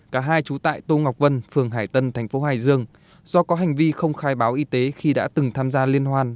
cả hai trú tại tô ngọc vân phường hải tân thành phố hải dương do có hành vi không khai báo y tế khi đã từng tham gia liên hoan